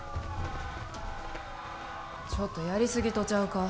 ちょっとやりすぎとちゃうか？